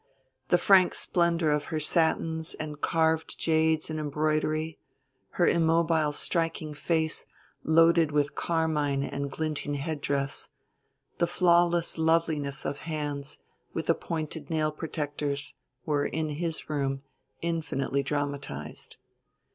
The frank splendor of her satins and carved jades and embroidery, her immobile striking face loaded with carmine and glinting headdress, the flawless loveliness of hands with the pointed nail protectors, were, in his room, infinitely dramatized.